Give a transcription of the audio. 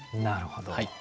なるほど。